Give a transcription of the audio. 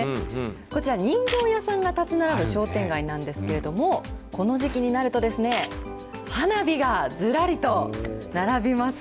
こちら、人形屋さんが建ち並ぶ商店街なんですけれども、この時期になると、花火がずらりと並びます。